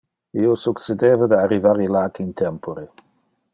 Io succedeva de arrivar illac in tempore.